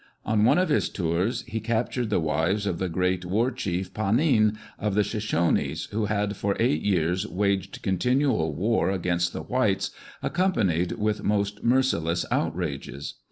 On one of his tours, he captured the wives of the great war chief, Pahnine, of the Shoshones, who had for eight years waged continual war against the whites, accompanied with most merciless outrages.